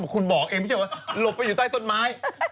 คุณบอกเองไม่ใช่ว่าหลบไปอยู่ใต้ต้นไม้